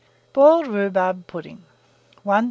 BOILED RHUBARB PUDDING. 1338.